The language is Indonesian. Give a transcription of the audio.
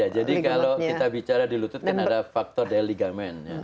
ya jadi kalau kita bicara di lutut kan ada faktor deligamen